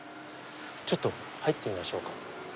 ちょっと入ってみましょうか。